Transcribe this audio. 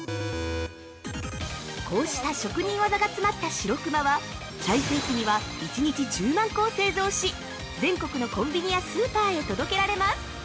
こうした職人技が詰まった白くまは最盛期には１日１０万個を製造し全国のコンビニやスーパーへ届けられます！